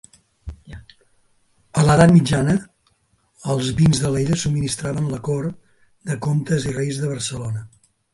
A l'Edat Mitjana els vins d'Alella subministraven la cort de comtes i reis de Barcelona.